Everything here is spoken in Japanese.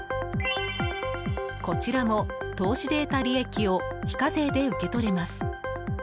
こちらも投資で得た利益を非課税で受け取れます。